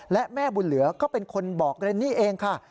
และแม่บุญเหลือก็เป็นคนบอกเรนนี่เองค่ะ